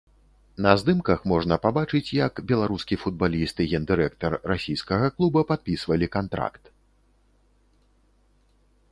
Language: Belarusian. На здымках можна пабачыць, як беларускі футбаліст і гендырэктар расійскага клуба падпісвалі кантракт.